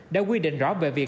đã quy định rõ về việc